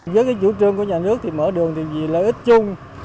với chủ trương của nhà nước thì mở đường thì lợi ích chung